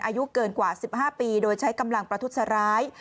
อายุเกินกว่า๑๕ปีโดยใช้กำลังประทุษร้าย